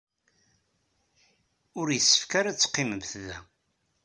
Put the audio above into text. Ur yessefk ara ad teqqimemt da.